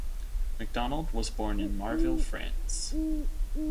McDonald was born in Marville, France.